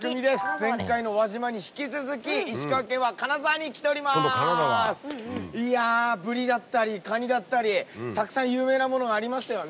前回の輪島に引き続き。いやブリだったりカニだったりたくさん有名なものがありますよね。